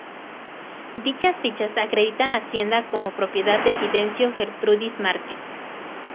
Dichas fichas acreditan la hacienda como propiedad de Fidencio Gertrudis Márquez.